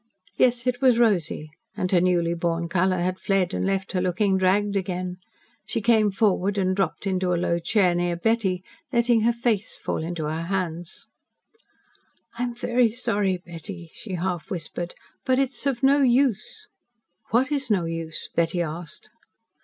Yes, it was Rosy, and her newly born colour had fled and left her looking dragged again. She came forward and dropped into a low chair near Betty, letting her face fall into her hands. "I'm very sorry, Betty," she half whispered, "but it is no use." "What is no use?" Betty asked.